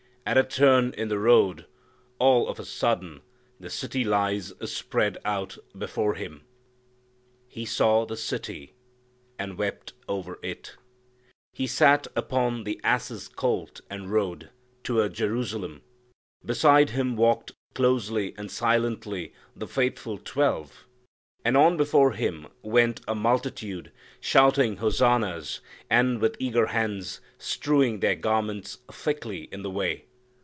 At a turn in the road all of a sudden the city lies spread out before Him. "He saw the city and wept over it." "He sat upon the ass's colt and rode Toward Jerusalem. Beside Him walked Closely and silently the faithful twelve, And on before Him went a multitude Shouting hosannas, and with eager hands Strewing their garments thickly in the way.